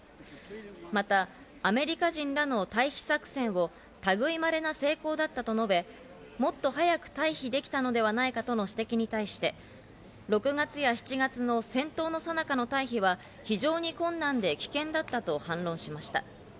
またアメリカ人らの退避作戦を類いまれな成功だったと述べ、もっと早く退避できたのではないかとの指摘に対して、６月や７月の戦闘のさなかの退避は非常に困難で危険だったと反論しました。